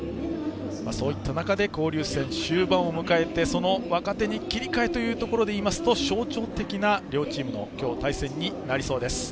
そういった中で交流戦の終盤を迎えてその若手に切り替えというところで言いますと象徴的な両チームの今日の対戦になりそうです。